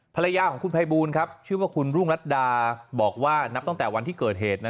ภรรยาของคุณภัยบูลชื่อว่าคุณรุ่งรัฐดาบอกว่านับตั้งแต่วันที่เกิดเหตุ